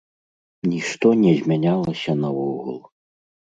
Нішто не змянялася наогул.